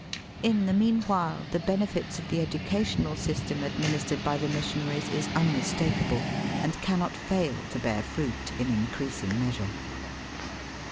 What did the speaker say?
In the meanwhile the benefits . of the educational system administered by the missionaries is unmistakable, and cannot fail to bear fruit iu increasing measure.